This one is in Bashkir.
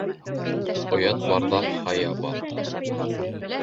Оят барҙа хая бар.